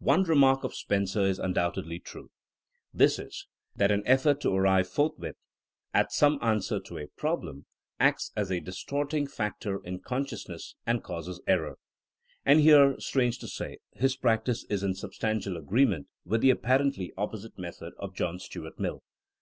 One remark of Spencer is undoubtedly true. This is ^Hhat an effort to arrive forthwith at some answer to a problem, acts as a distorting 92 THINEINa AS A SCIENCE factor in consciousness and causes error/' And here, strange to say, his practice is in sub stantial agreement with the apparently opposite method of John Stuart Mill.